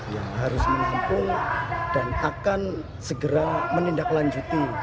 yang harus menampung dan akan segera menindaklanjuti